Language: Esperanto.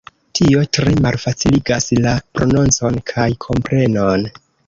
Tio tre malfaciligas la prononcon kaj komprenon.